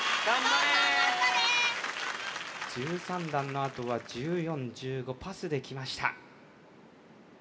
頑張れー１３段のあとは１４１５パスできました